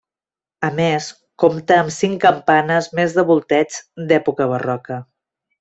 A més compta amb cinc campanes més de volteig d'època barroca.